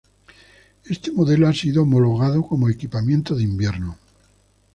Este modelo ha sido homologado como equipamiento de invierno.